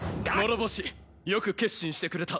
諸星よく決心してくれた。